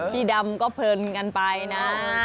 พี่ดำก็เพลินกันไปนะ